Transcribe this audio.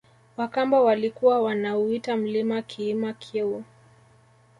Wakamba walikuwa wanauita mlima kiima Kyeu